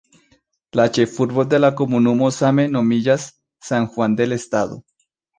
La ĉefurbo de la komunumo same nomiĝas "San Juan del Estado".